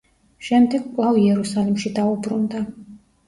შემდეგ კვლავ იერუსალიმში დაუბრუნდა.